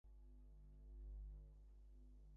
মালিকরা সাধারণ লোক নয়।